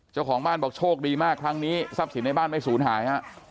เจ้าของบ้านบอกโชคดีมากครั้งนี้ทรัพย์สินในบ้านไม่สูญหายฮะ